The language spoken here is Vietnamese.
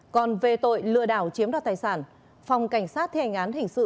còn về tội lừa đảo chiếm đoạt tài sản phòng cảnh sát theo hình án hình sự